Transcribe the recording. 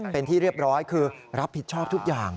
เป็นที่เรียบร้อยคือรับผิดชอบทุกอย่าง